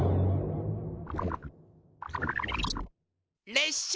れっしゃ。